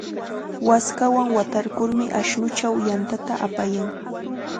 Waskawan watarkurmi ashnuchaw yantata apayan.